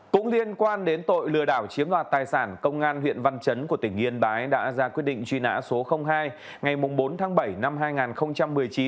cũng liên quan đến tội lừa đảo chiếm đoạt tài sản công an huyện văn chấn của tỉnh yên bái đã ra quyết định truy nã số hai ngày bốn tháng bảy năm hai nghìn một mươi chín